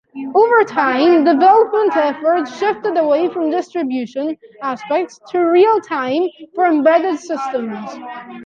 Over time, development effort shifted away from distribution aspects to real-time for embedded systems.